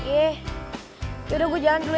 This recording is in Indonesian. eh yaudah gue jalan dulu